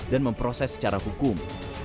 dan memproses secara hukum